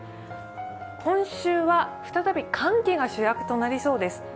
今週は再び寒気が主役となりそうです。